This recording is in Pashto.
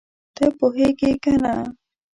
ته پوهېږې که نه؟